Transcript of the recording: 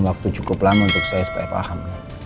waktu cukup lama untuk saya supaya paham